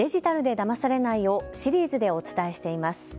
だまされないをシリーズでお伝えしています。